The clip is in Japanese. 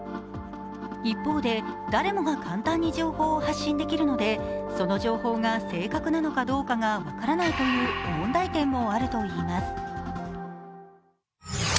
一方で、誰もが簡単に情報を発信できるので、その情報が正確なのかどうかが分からないという問題点もあるといいます。